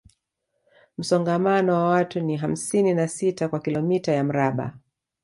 Msongamano wa watu ni hamsini na sita kwa kilomita ya mraba